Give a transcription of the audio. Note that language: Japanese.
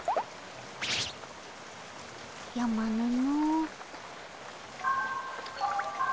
やまぬのう。